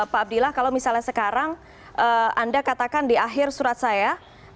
pak abdillah kalau misalnya sekarang anda katakan di akhir surat saya